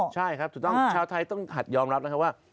ใช่ครับถูกต้องชาวไทยต้องหัดยอมรับนะครับว่า